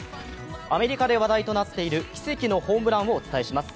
アメリカで話題となっている奇跡のホームランをお伝えします。